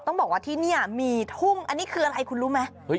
ต้องบอกว่าที่นี่มีทุ่งอันนี้คืออะไรคุณรู้ไหม